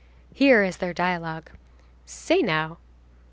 Here is their dialogue: "Say, now."